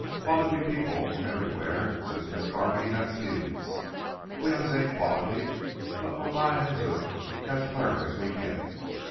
Quality people everywhar, says Missis Garvey, has feuds. We 'uns ain't quality, but we're buyin' into it as fur as we can.